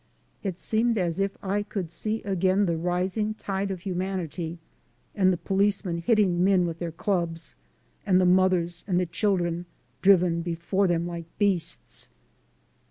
It seemed as if I could see again the rising tide of humanity, and the policemen hit ting men with their clubs, and the mothers and chil dren driven before them like beasts.